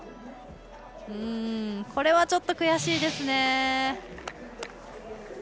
これはちょっと悔しいですね。